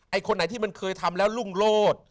คนไหนที่มันเคยทำแล้วรุ่งโลศ